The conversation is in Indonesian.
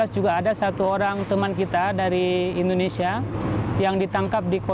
juga ada satu orang teman kita dari indonesia yang ditangkap di turki